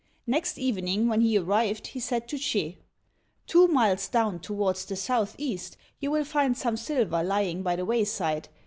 Next evening when he arrived, he said to Ch'ê, "Two miles down towards the south east you will find some silver lying by the wayside.